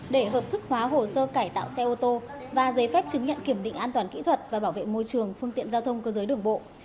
để hợp thức hóa hồ sơ cải tạo xe ô tô và giấy phép chứng nhận kiểm định an toàn kỹ thuật và bảo vệ môi trường phương tiện giao thông cơ giới đường bộ